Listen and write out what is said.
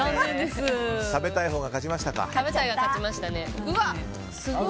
食べたいほうが勝ちましたか。